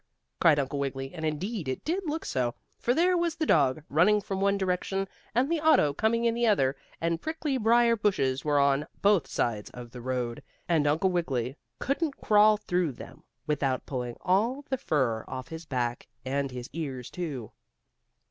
cried Uncle Wiggily, and indeed it did look so, for there was the dog running from one direction, and the auto coming in the other, and prickly briar bushes were on both sides of the road, and Uncle Wiggily couldn't crawl through them without pulling all the fur off his back, and his ears, too.